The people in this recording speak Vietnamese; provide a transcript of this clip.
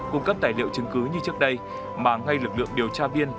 cung cấp tài liệu chứng cứ như trước đây mà ngay lực lượng điều tra viên